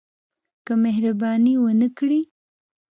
که مهرباني ونه کړي.